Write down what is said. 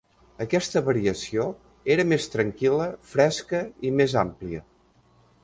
Aquesta variació era més tranquil·la, fresca i més àmplia.